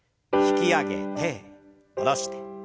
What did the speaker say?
引き上げて下ろして。